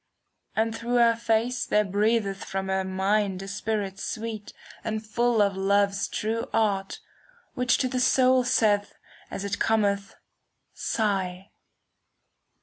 And through her face there breatheth from her mind A spirit sweet and full of Love's true art. Which to the soul saith, as it cometh, " Sigh."